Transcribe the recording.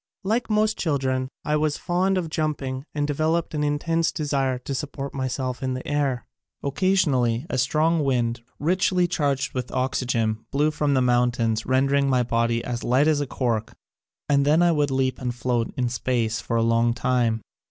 Like most chil dren I was fond of jumping and developed an intense desire to support myself in the air. Occasionally a strong wind richly charged with oxygen blew from the moun tains rendering my body as light as cork and then I would leap and float in space for a long time.